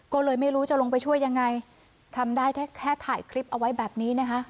ก็เลยไม่รู้จะลงไปช่วยยังไงทำได้แค่แค่ถ่ายคลิปเอาไว้แบบนี้นะคะ